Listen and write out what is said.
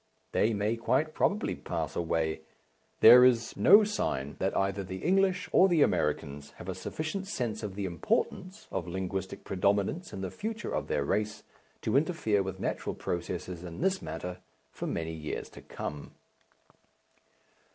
They may quite probably pass away. There is no sign that either the English or the Americans have a sufficient sense of the importance of linguistic predominance in the future of their race to interfere with natural processes in this matter for many years to come.